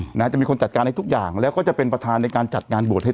นะฮะจะมีคนจัดการให้ทุกอย่างแล้วก็จะเป็นประธานในการจัดงานบวชให้